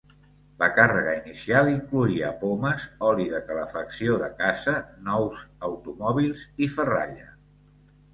La càrrega inicial incloïa pomes, oli de calefacció de casa, nous automòbils, i ferralla.